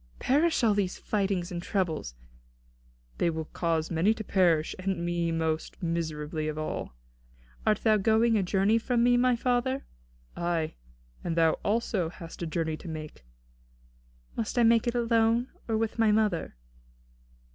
"Perish all these fightings and troubles!" "They will cause many to perish, and me most miserably of all." "Art thou going a journey from me, my father?" "Ay, and thou also hast a journey to make." "Must I make it alone, or with my mother?"